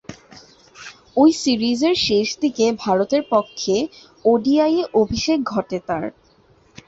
ঐ সিরিজের শেষদিকে ভারতের পক্ষে ওডিআইয়ে অভিষেক ঘটে তার।